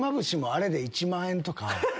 あれで１万円とか。